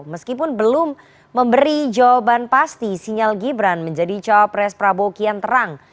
meskipun belum memberi jawaban pasti sinyal gibran menjadi cawapres prabowo kian terang